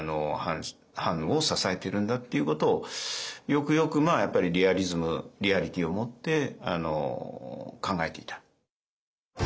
藩を支えてるんだっていうことをよくよくやっぱりリアリズムリアリティーをもって考えていた。